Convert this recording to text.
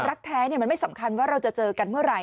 รักแท้มันไม่สำคัญว่าเราจะเจอกันเมื่อไห